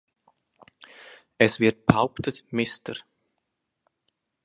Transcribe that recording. Es wird behauptet, "Mr.